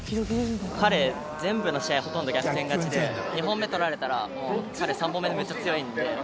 彼全部の試合をほとんど逆転勝ちで２本目取られたらもう彼３本目めっちゃ強いんで。